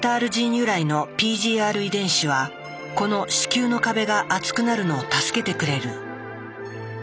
由来のＰＧＲ遺伝子はこの子宮の壁が厚くなるのを助けてくれる。